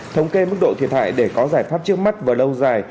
thống kê mức độ thiệt hại để có giải pháp trước mắt và lâu dài